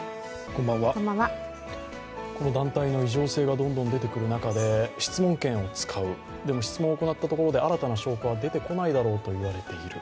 この団体の異常性がどんどん出てくる中で質問権を使う、でも質問を行ったところで新たな証拠は出てこないだろうと言われている。